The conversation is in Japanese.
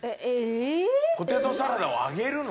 ポテトサラダを揚げるの？